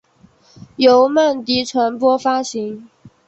由曼迪传播发行。